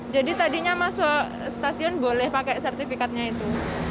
jadi tadinya masuk stasiun boleh pakai sertifikatnya itu